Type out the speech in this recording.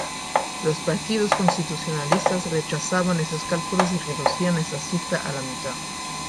Los partidos constitucionalistas rechazaban esos cálculos y reducían esa cifra a la mitad.